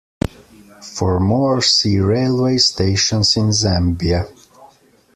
For more see Railway stations in Zambia.